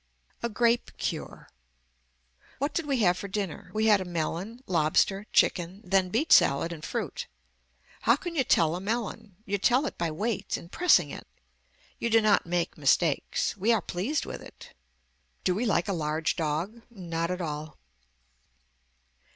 A GRAPE CURE What did we have for dinner we had a melon lobster chicken then beet salad and fruit. How can you tell a melon. You tell it by weight and pressing it. You do not make mistakes. We are pleased with it. Do we like a large dog. Not at all.